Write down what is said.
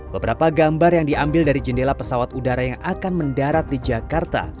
beberapa gambar yang diambil dari jendela pesawat udara yang akan mendarat di jakarta